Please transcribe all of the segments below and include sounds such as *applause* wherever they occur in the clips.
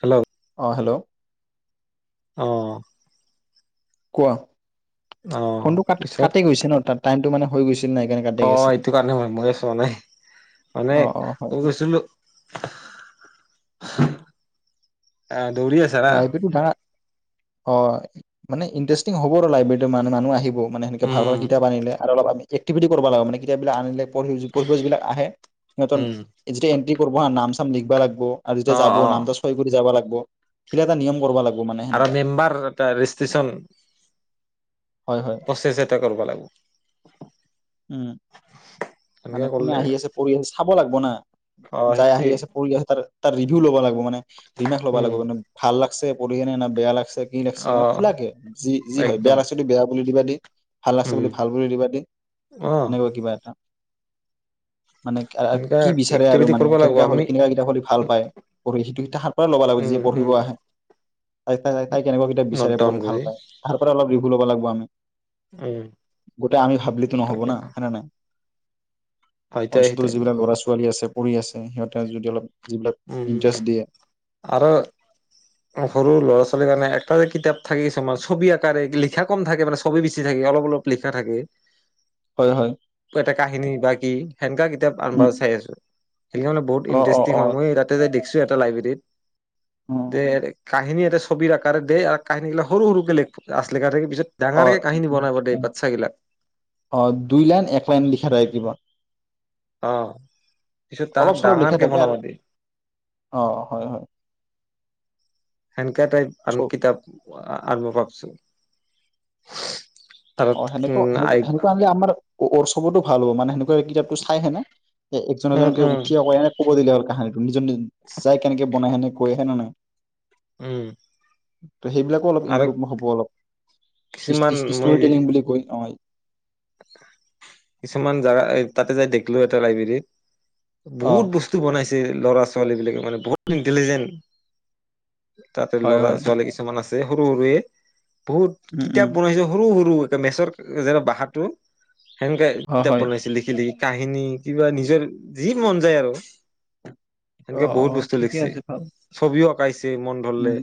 Hello অ hello অঁ কোৱা? ফোনটো ক কাটি গৈছে ন তাৰ টাইমটো মানে হৈ গৈছে ন সেইকাৰণে কাটি অঁ এইটো কাৰণে হয় মই ছোৱা নাই মানে অ অ হয় মই হয়। গৈছিলোঁ আহ দৌৰি আছে ন অঁ মানে ইণ্টাৰেষ্টিং হব আৰু লাইব্ৰেৰী মানে মানুহ আহিব মানে সেনেকে ভাল ভাল উম কিতাপ আনিলে আৰু অলপমান একতিভিতি কৰিব লাগে কেতিয়াবা আন পঢ়িব যিবিলাক আহে সিহঁতৰ উম যেতিয়া এটি কৰিব নাম চাম লিখিব লাগিব আৰু যেতিয়া অ যাব অ নামটো চহী কৰি যাব লাগে এতিয়া এটা নিয়ম কৰিব লাগে। আৰু মেম্বাৰ এটা ৰেজিষ্ট্ৰন হয় হয় প্ৰচেচ এটা কৰিব লাগিব উম। এনেকে মানে কোনে কৰিলে আহি আছে, পৰি আছে, চাব লাগব না। অ যাই আহি সেইটোৱে আছে, পৰি আছে, তাত তাৰ ভিডিঅ' ল'ব লাগ মোৰ মানে *unintelligible* ল'ব উম লাগিব মানে, ভাল লাগ পিছে পৰিকিনে না বেয়া লাগছে কি লাগছে অ মানে খোলাকে যি-যি হয়, একদম বেয়া লাগছে বেয়া বুলি দিবা দি, ভাল লাগছে উম বুলি ভাল বুলি দিবা দি, অ এনেকুৱা কিবা এটা। মানে আ এনেকা কি বিচাৰে আৰু এক্টিভিটি মানে কৰিব লাগিব কেনেকুৱা আমি হ'লে কেনেকুৱা কিতাপ পঢ়ি ভাল পায়, পঢ়ি সেইটো তাহাৰ পৰাই ল'ব লাগিব উম যিয়ে পঢ়িব উম আহে, তাই-তাই কেনেকুৱা কিতাপ নট বিচাৰে ডাউন পঢ়ি কৰি ভাল পায়, তাহাৰ পৰাই অলপ ৰি *unintelligible* লব লাগব আমি। উম গোটেই আমি ভাবলিতো নহব না, তাকেতো হয়নে নাই? হয় অঞ্চলটোৰ দে যিবিলাক ল'ৰা-ছোৱালী আছে পঢ়ি আছে। সিহঁতে যদি অলপ যিবিলাক উম ইণ্টাৰেষ্ট দিয়ে আৰু সৰু ল'ৰা-ছোৱালী মানে তাৰে কিতাপ থাকে কিছুমান ছবি আকাৰে, লিখা কম থাকে মানে, ছবি বেছি থাকে, অলপ-অলপ লিখা থাকে। হয় হয় এটা কাহিনী বা কি সেনেকুৱা কিতাপ আনবা উম চাই আছোঁ। এইকেইখন বোলে বহুত অ অ ইনটাৰেষ্টিং অ হয়। তাতে দেখছোঁ এটা লাইব্ৰেৰীত উম, দে উম। *unintelligible* কাহিনী এটা ছবিৰ আকাৰে দে আৰু কাহিনীবিলাক সৰু-সৰুকে *unintelligible* লিখা থাকে। পিছত হয়। ডাঙৰকে কাহিনী বনাব দে বাচ্ছা গিলাক অ দুই লাইন, এক লাইন লিখা থাকে কিবা। অ পিছত তাহাক অলপ-চলপ লিখা ডাঙৰকে থাকে বনাব আৰু দে অ হয়-হয়। সেনেকা টাইপ আমি কিতাপ *unintelligible* আনব ভাবছোঁ । অ সেনেকুৱাও *unintelligible* সেনেকুৱা আনলি আমাৰ অ *unintelligible* চবতো ভাল হব মানে সেনে *unintelligible* কিতাপটো চাইহেনে এ উম একজন-একজনকৈ উম উঠি এনে ক'ব লগীয়া হল কাহিনীটো *unintelligible* নিজন চাই কেনেকে বনাই হেনে কৈ হেনে নাই উম। *inaudible* ত' সেইবিলাকো অলপ আৰু ইম্প্ৰুভ হ'ব অলপ, কিছুমান ইষ্ট-ইষ্ট-ইষ্ট তোৰ মই টেলিং বুলি কই নহয় কিছুমান জাগা এই তাতে যে দেখলোঁ এটা লাইব্ৰেৰীত অ বহুত বস্তু বনাইছে। তে ল'ৰা-ছোৱালীবিলাকে মানে বহুত ইন্টেলিজেণ্ট তাতে হয় হয় ল'ৰা-ছোৱালী কিছুমান আছে। এ সৰু সৰু এ। বহুত উম উম কিতাপ বনাইছো সৰু-সৰু মেচৰ যেনে বাঁহাত টো সেনেকে হয় কিতাপ হয় বনাইছে লিখি-লিখি। কাহিনী কিবা নিজৰ যি মন যায় আৰু। অ সেনেকে অ বহুত বস্তু ঠিকে লিখ্ছি, আছে ভাল ছবিও আ প্ৰাইছ দে মন ধৰলে উম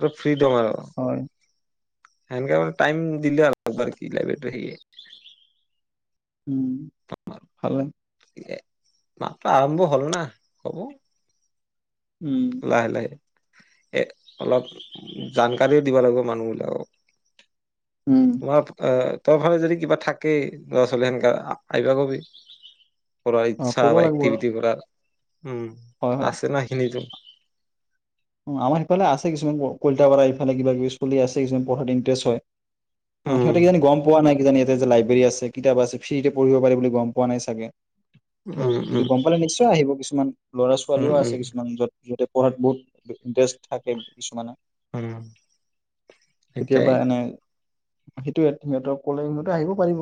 তফ কি থম আৰু। হয় সেনকে মানে টাইম দিলে হল, অ লাইব্ৰেৰীটো সেই উম, ভালে। মাত্ৰ আৰম্ভ হ'ল না, হব। উম লাহে-লাহে এ অলপ জানকাৰীও দিব লাগিব মানুহবিলাকক। উম অলপ অ তোৰ ফালে যদি কিবা থাকেই ল'ৰা ছোৱালী সেনেকা আইবা কবি। কৰাৰ অ ইচ্ছা ক'ব বা লাগিব আৰু এক্টিভিটি কৰাৰ উম হয় হয় আছে ন সেইখিনিতো? আমাৰ সিফালে আছে কিছুমান কলিতা পাৰা ইফালে কিবা কিবি চলি আছে। কিছুমান পঢ়াত ইন্টাৰেষ্ট হয়। অ উম সিহঁতে কিজানি গম পোৱা নাই কিজানি। যে লাইব্ৰেৰী আছে কিতাপ আছে। ফ্ৰীতে পঢ়িব পাৰি বুলি গম পোৱা নাই চাগে। উম যদি উম গম পালে নিশ্চয় আহিব। কিছুমান ল'ৰা উম ছোৱালীও আছে উম কিছুমান য'ত সিহঁতে পঢ়াত বহুত ইণ্টাৰেষ্ট থাকে কিছুমানে উম সেইটাই সেইটো সিহঁতক কলে সিহঁতে আহিব পাৰিব।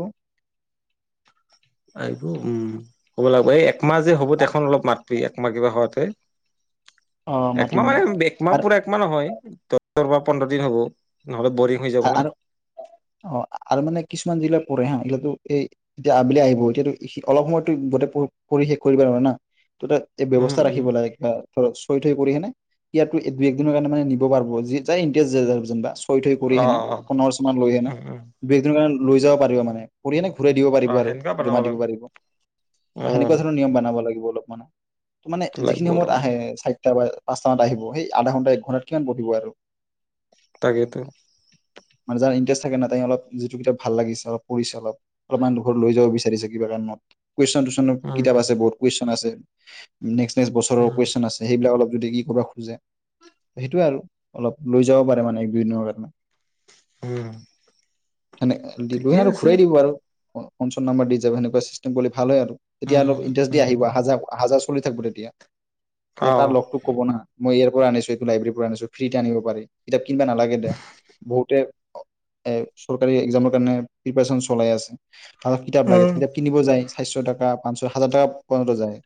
আহিব। উম, ক'ব লাগব। এই একমাহ যে হ'ব তেখন অলপ মাত ত একমাহ কিবা হোৱাতে অ একমাহ মাতিম ন মানে একমাহ আৰু পৰা একমাহ নহয়। বা পন্ধৰ দিন হ'ব। ন? আৰু অ আৰু মানে কিছুমান জিলা পৰে হা এইগিলো এই এতিয়া আবেলি আহিব এতিয়া অলপ সময়তো গোটেই কৰি শেষ কৰিব লাগিব না। তাতে এই উম ব্যৱস্থা উম ৰাখিব লাগে কিবা খৰচ থৈ থৈ কৰি কিনে ইয়াত দুই এক দিনৰ কাৰণে মানে নিব পাৰিব যাৰ যি ইনন্তেচ যেনেবা কৰি অ কিনে অ পোন্ধৰ বছৰমান লৈ হেনে উম উম দুই কাৰ লৈ যাব পাৰিবা মানে কৰিনে ঘূৰাই দিব অ পাৰিব আৰু সেনেকুৱা বনাব জমা দিব লাগিব পাৰিব অহ উম সেনেকুৱা ধৰণৰ নিয়ম বনাব লাগিব অলপ। মানে মানে লাগিব যিখিনি সময়ত লাগিব আহে কেতিয়াবা পাঁচটামানত আহিব সেই আধা ঘণ্টা এক ঘণ্টাত কিমান বহিব আৰু। তাকেটো। মানে যাৰ ইণ্টাৰেষ্ট থাকে না তাই অলপ যিটো কিতাপ ভাল লাগিছে অলপ, পঢ়িছে অলপ, অলপমান দুৰত লৈ যাব বিচাৰিছে কিবা কাৰণত। কুৱেশন টুৱেশন কিতাপ উম আছে বহুত কুৱেশ্যন আছে। নেক্স নেক্স বছৰৰ উম কুৱেশন আছে সেইবিলাক অলপ যদি ই কৰবাৰ খোজে সেইটোয়ে আৰু অলপ লৈ যাব পাৰে মানে এক দুদিনৰ আগত উম! উম মানে দিবই ঠিকে আৰু আছে ঘূৰাই দিব আৰু অ ফনচন নাম্বাৰ দি যাবা হেনেকুৱা চিষ্টেম বুলি ভালে আৰু তেতিয়া অলপ উম, ইন্টেচ দি উম, আহিব আহা যোৱা চলি থাকিব দে তেতিয়া তেতিয়া তাৰ অ', লগতোক ক'ব না মই ইয়া আনিছোঁ এই লাইব্ৰৰী পৰা আছোঁ ফ্ৰীতে আনিব পাৰি কিতাপ কিনিবা নালাগে দে বহুতে এ চৰকাৰী এক্সামৰ কাৰণে প্ৰিপাৰচন চলাই আছে। আৰু কিতাপ লাগে উম, কিতাপ কিনিব যায় সাইশ টকা পাঁচশ হাজাৰ টকা পৰ্যন্ত যায়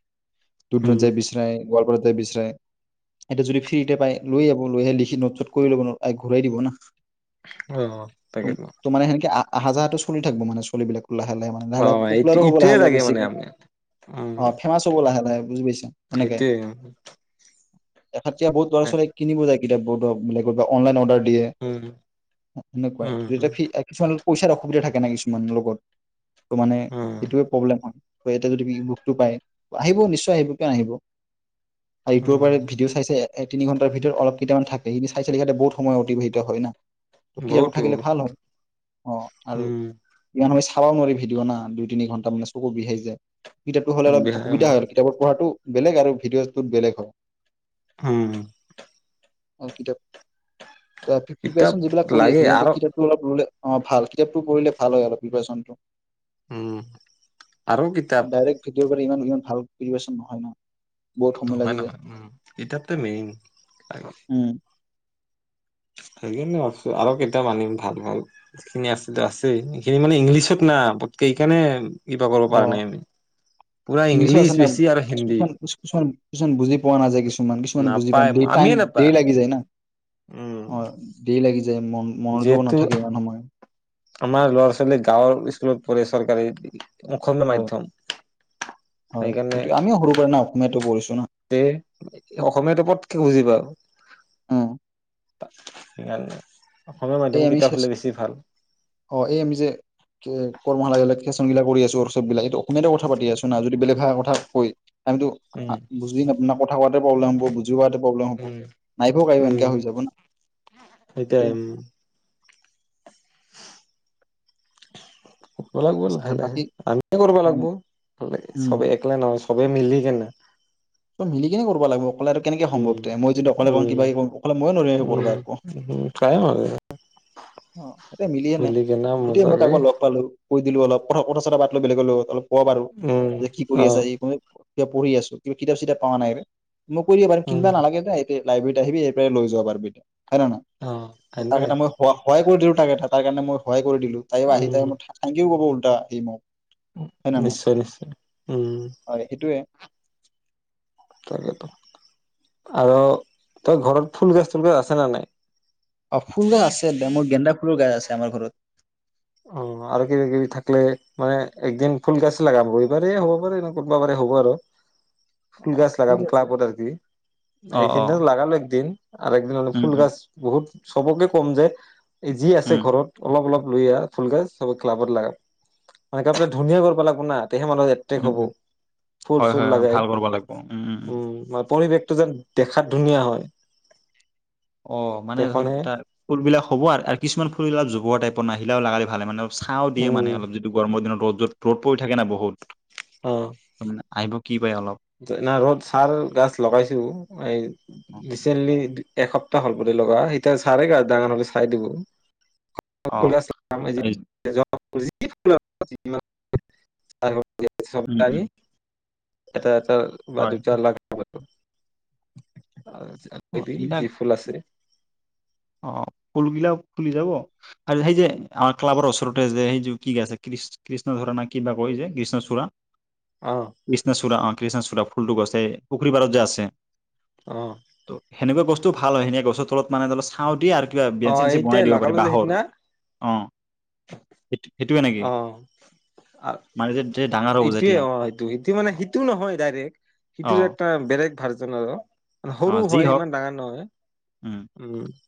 দুকানত উম, যায় বিচৰাই গোৱালপাৰাত যায় বিচাৰে এতিয়া যদি ফ্ৰীতে পাই লৈ আহিব লৈ আহি লিখি নোট- চট কৰি ল'ব ঘূৰাই দিব না অহ তাকেই ন ত' মানে সেনেকে আহা যাহটো চলি থাকিব মানে ছোৱালী বিলাক। লাহে লাহে মানে লাহে লে অ', এইটো পপুলাৰো হ'ব ইটোয়ে লাহে লাহে লাগে মানে বেছিকে আমি অ ফেমাচ হ'ব লাহে লাহে বুজি পাইছা সেইটোৱে উম! এখততি বহুত লৰা-ছোৱালীয়ে কিনিব যায় কিতাপব বান কব অনলন অৰ্ডাৰ দিয়ে। উম, এনেকুৱাই যেয়া উম, একে। পইচাৰ অসুবিধা থাকে না কিছুমান লগত। ত মানে উম, সেইটোয়ে প্ৰব্লেম হয় ইয়াতে যদি বুকটো পায় আহিব নিশ্চয় আহিব কিয় নাহিব আহিব। আৰু ইউটিউবত উম, পৰা ভিডিঅ' চাইছে। তিনিঘন্টাৰ ভিতৰত অলপ কেইতা মান থাকেই নাই চিহঁ বহু সময় অতিবাহিত। হয় ন। ত কয়োৰ বহুতো থাকিলে ভাল হ অ আৰু উম, ইমান। খাব নোৱাৰি ভিডিঅ' দুই তিনি ঘণ্টা মান চকু বিহাই যায়। কিতাপটো হলে অপ ব্যায়াম, সুবিধা হলেতাপত পঢ়াটো। বেলেগ আৰু ভিডিঅ'টোত বেলেগ হয়। উম। অকিত। কিতাপ যিলাক কৰি লাগে আছে আৰু সহতেটো অললে। অ ভাল কিতাপটো পঢ়িলে ভাল হয় অলপ প্ৰিপ্যনটো। উম, আৰু কিতাপ ডাইৰেক্ ভিডিঅ। ইমান ইমান ভাল পৰিবেশচন নহয় নয়। নহয় নহয় উম কিতাপ মেইন আ। উম, আৰু কেইটা মানিম ভাল ভাল খিনি আছেো আছে এইখিনি মানে ইংলিছত না পটকে এইকাৰণে। অ ইংলিছো ইংলিছ আছে না বেছি আৰু হিন্দী কিছুমান কিছুমান কিছুমান বুজি পোৱা নাযায়। কি কিছুমান বুজি প নাপায় আমিয়ে নাপাওঁ। লাগি যায় ন অ ল। যে মন মনোযো যিহেতু নাথাকে ইমান সময় আমাৰ ল'ৰা ছোৱালী গাঁৱৰ স্কুলত পঢ়ে চৰকাৰী। অসমীয়া মাধ্যম হয় হয়তো আমিও সৰু কাৰণে অসমীয়াত পৰিছো এ অসমীয়া পতকে বুজিবা উম, আৰু স। এই আমি অ এই আমি যে কৰ্মালাগিলাকেচগিলাক। কৰি আছো আৰু চবিলাক এই অসমীয়াতে কথা পাতি আছো না যদি বেলেগ ভাল কথা কয়। আমিতো উম। বুজি কথা কোৱাতে প্ৰব্লেম হব বুজি পোৱা প্ৰব্লেম হব উম নাইফা উম এনো হৈ যাব না সেইটাই সেইটো। উম কৰিব লাগিব লাহে আৰু লাহে বাকী আমিয় কৰিব উম লাগিব উম চবে এককলা নহয় চবেই মিলি কেনে। চব মিলি কেনে কৰিব লাগিব অকলে আৰু কেনেকে সম্ভৱ উম। মই যদি অকলে কম উম কিবা কৰম অকলে মই নোৱাৰ উম কৰিবা একো, উম ট্ৰাই মাৰে এ মিলিয়ে নাই মিলি কেনে সেইটোয়ে মই মজাকে কাৰোবাক লগ পালো কৈ দিলো অলপ। কথাটা পাত লো বেলেগ লৈ অলপ। ক বাৰু উম যে কি কৰি অ আছে এই ক। এ পঢ়ি আছো। কিতাপ চিতাপ পোৱা নাই। মইকৰি বাৰম উম কিনিবা নালাগে দাই। লাইব্ৰেৰী আহিবি এই পৰাই লৈ যাবাৰ এতিয়া। হয় ন নাই অ তাক এনেকাই এটা মই সহায় কৰি দিওঁ। তাৰ কাৰণে মই হয়। কৰি দিল তাই আহি উম। তাই ঠাংকে কব কলো। টা এই মত। নিশ্চয় নিশ্চয় উম। হয় সেইটোৱে তাকো আৰু তই ঘৰত ফুল গছ তুল গছ আছে ন নাই। অ ফুল গাছ আছে এ মোৰ গেন্দা ফুলৰ গাছ আছে। আমাৰ ঘৰত। অ আৰু কিবা কিবি থাকিলে মানে একদিন ফুল গাছ লগাৰ পাৰে এই বাৰে হ'ব পাৰে ন কোনবা পাৰে হ'ব আৰু। ফুল অ গাছ ঠিক লাগাম আছে ক্লাবত আৰকি অ', এইখিন অ', লাগালো একদিন। আৰু একদিন হলে উম, ফুল উম, গছ বহুত। চবকে কম যে। যি আছে উম, ঘৰত অলপ অলপ। লৈ আহ। ফুলগছ চব ক্লাবত লগাব মানে ক পাক ধুনীয়া কৰিব লাগিব না। তেহে মানুহ এট্ৰেক উম, হ'ব উম, ফুল হয়, চুল হয়, অ, লগাই ভাল কৰিব লাগিব উম, উম পৰিৱেশ। টো যেন দেখাত ধুনীয়া হয়। অ মানে ধৰ সেইখনহে এটা ফুলবিলাক হ'ব আৰু আৰু কিছুমান ফুল এইবিলাক জোৱা টাইপ। নিলেও লগালে ভালোনে। চাও দিয়ে উম মানে অলপ যিটো গৰমৰ দিনত। ৰ' য'ত ৰ'দ পৰি থাকে না বহুত। অ ত মানে আহিব। কি পায় অলপ ৰ'দ চাৰ গছ লগাইছো এই ৰিচেণ্টলি। এসপ্তাহ হ'ল বুলি লগা এতিয়া চাৰেগা ডাঙৰ হ'লে চাই দিব। খ অ', এই *unintelligible* *unintelligible* চব উম, তানি। উম, এটা। ত হয়, বাজেত চাৰ লখ। *unintelligible* আজি অ', আনিবি এইবিলাক যি ফুল আছে। অ ফুলগিলাও ফুলি যাব আৰু সেই যে আমাৰ ক্লাবৰ ওচৰতে যে সেইযোৰ কি আছে কৃষ্ণ ধৰা না কি কয় এই যে কৃষ্ণচূড়া অ কৃষ্ণচূড়া, অ। কৃষ্ণচূড়া ফুলটো গছ যে এই পুখুৰীপাৰত যে আছে। অঁ। সেনেকোৱা বস্তু ভাল হয়। এনেই গছৰ তলত মানে ধৰ ছাঁও দিয়ে আৰ কিবা অ বেন্স চেন্স বনাই এইটাই দিব পাৰি লগালো যে বাঁহৰ। সিদিনা অ। *unintelligible* অ মানে যে যে ডাঙৰ হ'ব ইটোৱে যেতিয়া অ এইটো সিটো মানে সিটো নহয় ডাইৰেক্ট অ সিটোৰ এটা বেলেগ ভাৰ্জন আৰু। অ সৰু যি হয়, হওক ইমান ডাঙৰ নহয়। উম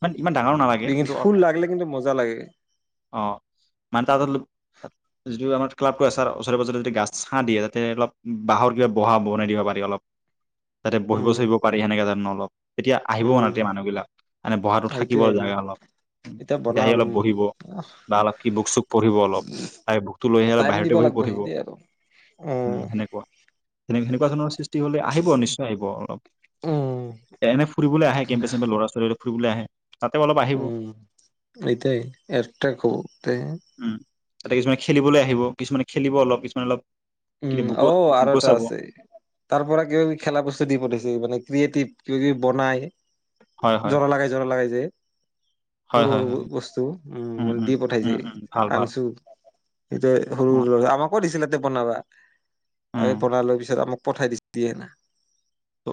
ইমান ইমান ডাঙৰো নালাগে কিন্তু অ ফুল লাগলে কিন্তু মজা লাগে। ত যিটো আমাৰ ক্লাবটো আছে ওচৰে পাজৰে যদি গাছ ছাঁ দিয়ে তাতে অলপ বাঁহৰ কিবা বহা বনাই দিব পাৰি অলপ। তাতে বহিব উম চহিব পাৰ যেন অলপ তেতিয়া আহিবও উম ৰাতি মানুহবিলাক মানে বহাটো থাকিব সেইটোয়ে লাগে অলপ। এতিয়া তেতিয়া আহি বনাম অলপ বহিব বা অলপ কি বুক চুক পঢ়িব অলপ। তাৰে বুকটো লৈ আহি অলপ টাইম বাহিৰতে দিব বহি লাগিব পঢ়িব সেইটোৱে আৰু উম সেনেকুৱা সেনে সেনেকুৱা ধৰণৰ সৃষ্টি হ'লে আহিব নিশ্চয় আহিব। অলপ উম এনে ফুৰিবলে আহে কেম্পে-চেম্পে ল'ৰা-ছোৱালী ফুৰিবলে আহে। তাতে অলপ আহিব উম এতিয়া একটা কোবতে উম। তাতে কিছুমানে খেলিবলৈ আহিব। কিছুমানে খেলিব অলপ, কিছুমানে অলপ উম কিবা বুকু অ আৰু বুকু এটা চাব। আছে।। তাৰ পৰা কিবা-কিবি খেলা বস্তু দি পঠাইছে মানে ক্ৰিয়েটিভ কিবা কিবি বনাই হয় হয়, জোৰা লগাই, জোৰা লগাই যে। হয় হয় সৰু-সৰু হয়, বস্তু উম মান দি পঠাইছে। উম উম, ভাল ভাল আনছো এটিয়া সৰু অ' সৰু লৰা আমাকো দিছিলে। তে বনাবা। এই উম। বনাই লৈ পিছত আমুক পঠাই দি দিয়ে না ত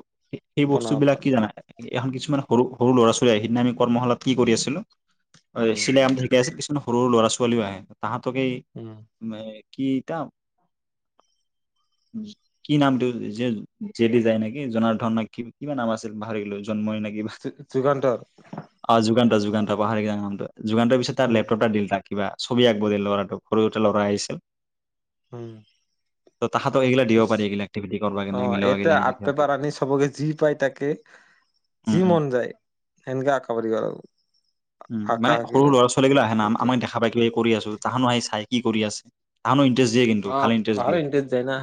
সেই বস্তু বনাব বিলাক কি পৰা জানা, নাই এখন কিছুমান সৰু-সৰু ল'ৰা-ছোৱালী এ সিদিনা আমি কৰ্মশালাত কি কৰি আছিলোঁ? হয় উম চিলাই কাম শিকাই আছিলোঁ। সৰু- সৰু ল'ৰা-ছোৱালীও আহে তাহাত বাকী উম মেই কিতাপ কি নামটো যে জেদি যায় নেকি? জনাৰ ধন ন কিবা নাম আছিল পাহৰিলৈ জন্মই নি। যুগান্তৰ অ যুগান্ত যুগান্ত পাহাৰিকাৰ নামটো। যুগান্ত পিছে তাৰ উম লেপটপটা দিলাক। কিবা ছবি আঁকব দি ল'ৰাটো সৰুতে ল'ৰা আহিছিল। উম। তাহাতক এইগিলা দিব পাৰি এইিলাক একটিভিটি কৰিব অ এটা আৰ্ট কাৰনে। পেপাৰ আনি চবকে যি পায় তাকে, উম যি উম মন যায় সেনেকে আঁকাব দিবা লাগব। উম মানে সৰু ল'ৰা ছোৱালীগিলা আহে না সেইটোৱে আমাক দেখা পায়াইিবা এই কৰি আছো তাহানো আহি চাই। কি কৰি আছে আন। দিয়ে কিন্তু অ ভালে ইন্টাৰেষ্ট পাহৰি দিয়ে ইণ্টাৰেষ্ট যায় না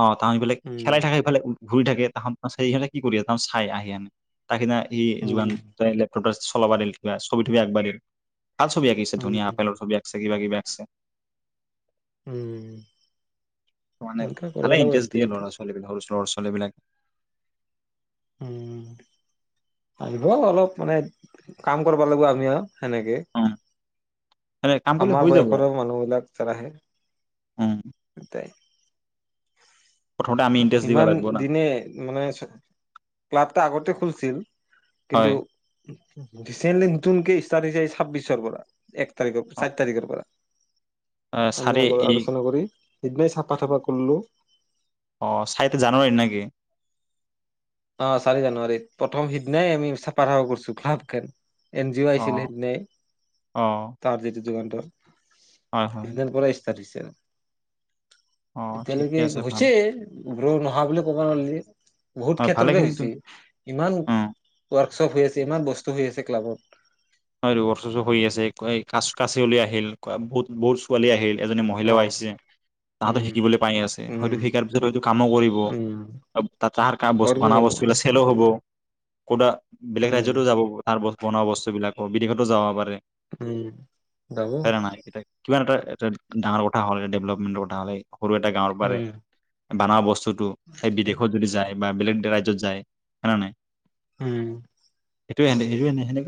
অ তাহ সফালে উম খেলাই থাকাই হেফালে। ঘূৰি থাকে তাহেই কি কৰি ত চাই আহি আনে। ত সিদিনা সি উম যোগান। চলাবা দিল। ছবি থুমি আকবাৰ। ভাল ছবি আঁকিছে উম ধুনীয়া আপেলৰ ছবি আঁকিছে। কিবা কিবা আকছে। উম। মানে এনেকা কৰিব ভালে লাগিব ইণ্টাৰেষ্ট দিয়ে এক্টিভিটি ল'ৰা ছোৱালীক সৰু ছোৱ। ছোৱালী বিলাক। উম আহিব অলপ মানে কাম কৰিব লাগিব আমি আৰু। হয়েনেকে। অ কাম কৰিলে আমাৰ হৈ যাব বয়সৰ মানুহবিলাক চল আহে। উম। এট। প্ৰথমতে আমি ইণ্টাৰেষ্ট দিব ইমান লাগিব না দিনে মানে। এটা আগতে খুলছিল। কিন্তু। হয় ৰিচেন্টলি নতুনকেষ্টাৰ্ট হৈছে ছাব্বিশৰ পৰা। এক তাৰখৰ পৰা অ চাত তাৰিখৰ পৰা। এ আমি চাৰি আগ এই আলোচনা কৰি। সেইদিনাই চাফা চাফা কৰিলোঁ। অ চাইতে জানোৱাৰিত নেকি? অ চাৰি জানুৱাৰীত প্ৰথম সিদিনাই আমি পাৰ কৰিছো ক্লাবখন। এন জি অ আহছিল সেইদিনে। অ যুগান্তৰ। হয় হয় তিনিদনৰ পৰা। চাৰছেয় অ তিয়ালকে ঠিকে আছে ভাল হৈছে ৰ নহা বুলি ক'ব নোৱাৰি হয় ক্ষেত্ৰতে ভালেখিনিতো হৈছে ইমান অ সব হৈ আছে ইমান বস্তু হৈ আছে ক্লাবত হয় ৰৰ চচ হৈ আছে কা কাচি হলি আহিল বহুত বহুত ছোৱালী আহিল এজনী অ মহিলাও আহিছে তাহাঁতো উম শিকিবলৈ পাই আছে হয়তো উম শিকাৰ পিছত হয়তো কামো কৰিব উম তাত তাহাৰ ক কৰিব বন কৰিব বস্তুবিলাক নিশ্চয় চেলো হব কটা বেলেগ উম ৰাজ্যতো যাব তাৰ্ত বনোৱা বস্তু বিলাক অবিদশতো যাব পাৰে উম যাব খ নাই এতিয়া কিমান এটা এটো ডাঙৰ কথা হ ডেভেলপমেট কথা হ সৰু এটা গাঁৱৰ পাৰে উম বনোৱা বস্তুত এই বিদেশত যদি যায় বা বেলেগ ৰাজ্যত যায় হে নাই উম এইটোৱে এনে এইটো এনে সেনেে